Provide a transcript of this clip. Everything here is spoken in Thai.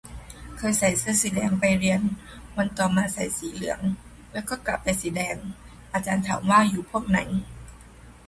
เคยใส่เสื้อสีแดงไปเรียน วันต่อมาใส่สีเหลือง แล้วก็กลับไปสีแดง อาจารย์ถามว่าอยู่พวกไหน